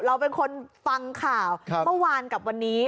เราเป็นคนฟังข่าวเมื่อวานกับวันนี้